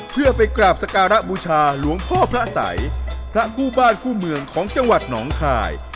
เพื่อไปกราบสการะบูชาหลวงพ่อพระสัยพระคู่บ้านคู่เมืองของจังหวัดหนองคาย